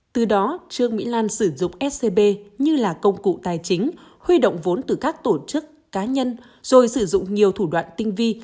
từ đó trương mỹ lan sử dụng scb như là công cụ tài chính huy động vốn từ các tổ chức cá nhân rồi sử dụng nhiều thủ đoạn tinh vi